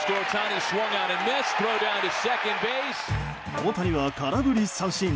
大谷は空振り三振。